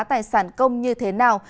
tài sản công như thế nào